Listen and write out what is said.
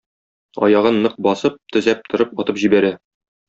Аягын нык басып, төзәп торып атып җибәрә.